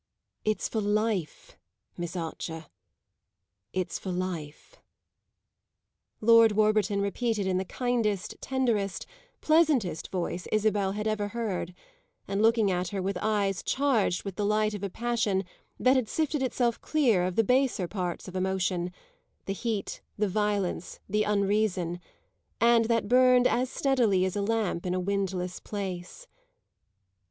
It's for life, Miss Archer, it's for life," Lord Warburton repeated in the kindest, tenderest, pleasantest voice Isabel had ever heard, and looking at her with eyes charged with the light of a passion that had sifted itself clear of the baser parts of emotion the heat, the violence, the unreason and that burned as steadily as a lamp in a windless place.